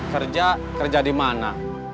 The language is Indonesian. kerja kerja di mana